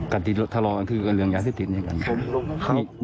กัติทะเลาะก็คือเรื่องยาเสพติดนี้กัน